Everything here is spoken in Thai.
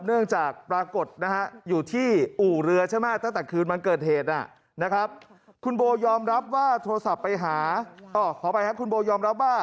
เนื่องจากปรากฏนะฮะอยู่ที่อู่เรือใช่ไหมตั้งแต่คืนมันเกิดเหตุนะครับ